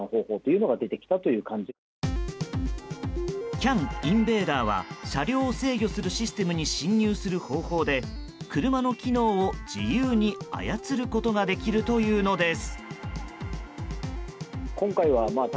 ＣＡＮインベーダーは車両を制御するシステムに侵入する方法で車の機能を自由に操ることができるというのです。